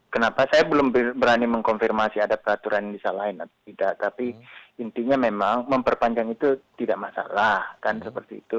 kenapa saya belum berani mengkonfirmasi ada peraturan yang disalahin atau tidak tapi intinya memang memperpanjang itu tidak masalah kan seperti itu